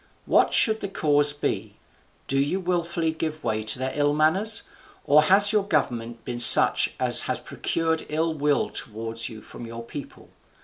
What should the cause be? do you wilfully give way to their ill manners? or has your government been such as has procured ill will towards you from your people?